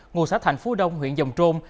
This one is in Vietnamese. ngôi xã thành phú đông huyện dòng trôn